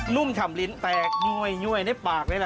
ุ่มฉ่ำลิ้นแตกยว่ยในปากเลยล่ะ